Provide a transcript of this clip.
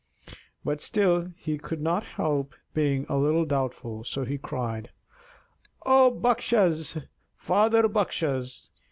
But still he could not help being a little doubtful, so he cried: "O Bakshas, father Bakshas!